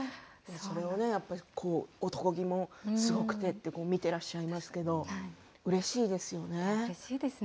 それを男気もすごくてと見ていらっしゃいますけれどうれしいですよね。